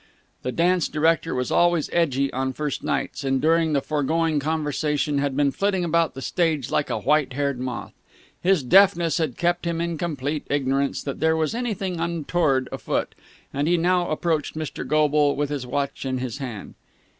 The dance director was always edgey on first nights, and during the foregoing conversation had been flitting about the stage like a white haired moth. His deafness had kept him in complete ignorance that there was anything untoward afoot, and he now approached Mr. Goble with his watch in his hand.